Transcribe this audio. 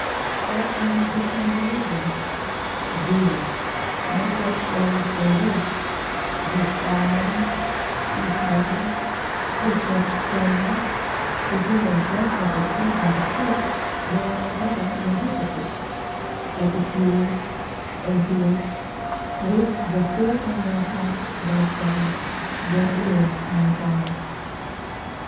Let them pretend religion, zeal, make what shows they will, give alms, peace makers, frequent sermons, if we may guess at the tree by the fruit, they are no better than hypocrites, epicures, atheists, with the fool in their hearts they say there is no God.